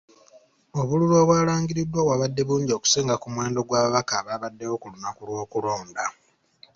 Obululu obwalangiriddwa bwabadde bungi okusinga ku muwendo gw’ababaka ababaddewo ku lunaku lw’okulonda .